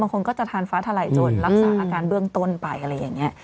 คนก็จะทานฟ้าทลายจนรักษาอาการเบื้องต้นไปอะไรอย่างนี้